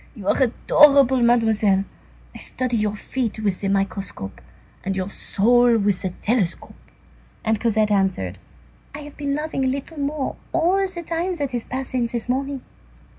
You are adorable, Mademoiselle. I study your feet with the microscope and your soul with the telescope." And Cosette answered:— "I have been loving a little more all the time that has passed since this morning."